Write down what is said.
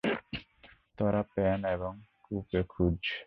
তরা pen এবং কু কে খুঁজ।